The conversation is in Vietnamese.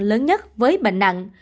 lớn nhất với bệnh nặng